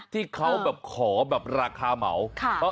ที่เขาแบบขอแบบราคาเหมา